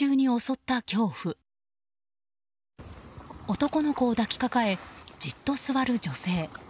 男の子を抱きかかえじっと座る女性。